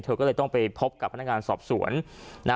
เธอก็เลยต้องไปพบกับพนักงานสอบสวนนะ